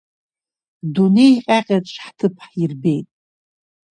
Дунеи ҟьаҟьаҿ ҳҭыԥ ҳирбеит.